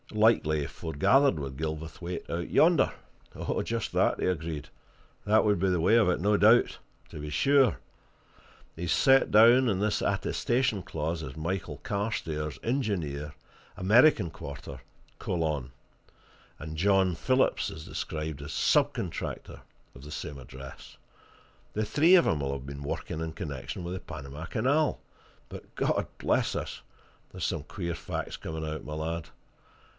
"Likely he foregathered with Gilverthwaite out yonder." "Just that," he agreed. "That would be the way of it, no doubt. To be sure! He's set down in this attestation clause as Michael Carstairs, engineer, American Quarter, Colon; and John Phillips is described as sub contractor, of the same address. The three of 'em'll have been working in connection with the Panama Canal. But God bless us! there's some queer facts coming out, my lad!